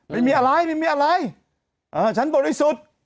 เป็นแม่อะไรไม่มีอะไรเออฉันปฎิสุร